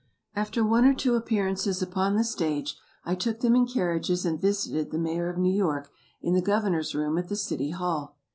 After one or two appearances upon the stage, I took them in carriages and visited the Mayor of New York in the Governor's room at the City Hall.